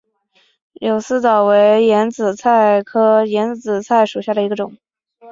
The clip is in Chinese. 柳丝藻为眼子菜科眼子菜属下的一个种。